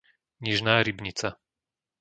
Nižná Rybnica